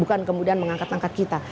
bukan kemudian mengangkat angkat kita